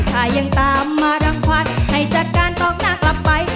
ถ้ายังตามมารังควันให้จัดการตอกหน้ากลับไป